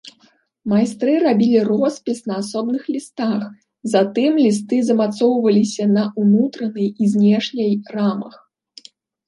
Майстры рабілі роспіс на асобных лістах, затым лісты змацоўваліся на ўнутранай і знешняй рамах.